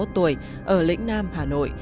ba mươi một tuổi ở lĩnh nam hà nội